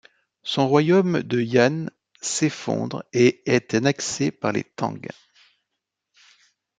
Son royaume de Yan s'effondre et est annexé par les Tang.